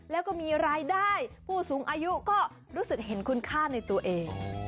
แล้วก็มีรายได้ผู้สูงอายุก็รู้สึกเห็นคุณค่าในตัวเอง